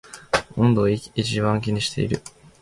湿度を一番気にしている